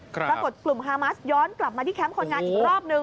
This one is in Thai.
ปรากฏกลุ่มฮามัสย้อนกลับมาที่แคมป์คนงานอีกรอบนึง